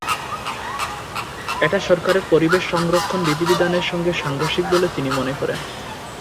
এটা সরকারের পরিবেশ সংরক্ষণ বিধিবিধানের সঙ্গে সাংঘর্ষিক বলে তিনি মনে করেন।